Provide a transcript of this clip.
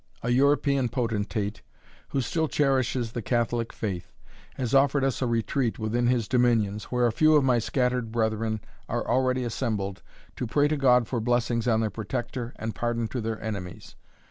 A European potentate, who still cherishes the Catholic faith, has offered us a retreat within his dominions, where a few of my scattered brethren are already assembled, to pray to God for blessings on their protector, and pardon to their enemies.